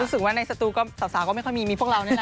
รู้สึกว่าในสตูก็สาวก็ไม่ค่อยมีมีพวกเรานี่แหละ